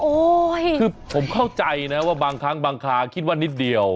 คือผมเข้าใจนะว่าบางครั้งบางคาคิดว่านิดเดียว